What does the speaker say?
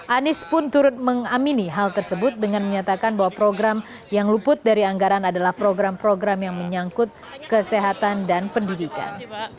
anies pun turut mengamini hal tersebut dengan menyatakan bahwa program yang luput dari anggaran adalah program program yang menyangkut kesehatan dan pendidikan